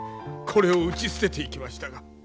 これを打ち捨てていきましたが。